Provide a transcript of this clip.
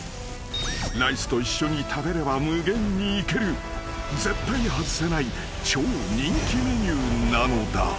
［ライスと一緒に食べれば無限にいける絶対外せない超人気メニューなのだ］